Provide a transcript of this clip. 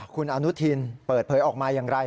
คุณอนุทินเปิดเผยออกมาอย่างไร